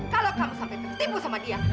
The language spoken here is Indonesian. kalau kamu sampai tertemu sama dia